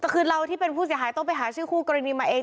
แต่คือเราที่เป็นผู้เสียหายต้องไปหาชื่อคู่กรณีมาเอง